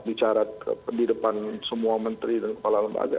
bicara ke pendidikan semua menteri dan kepala lembaga